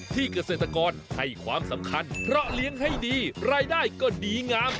เกษตรกรให้ความสำคัญเพราะเลี้ยงให้ดีรายได้ก็ดีงาม